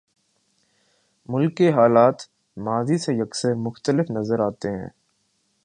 ملک کے حالات ماضی سے یکسر مختلف نظر آتے ہیں۔